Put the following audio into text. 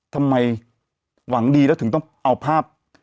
ทำไมหวังดีแล้วถึงต้องเอาภาพ